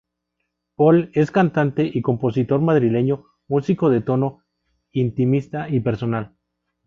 Pol es cantante y compositor madrileño, músico de tono intimista y personal.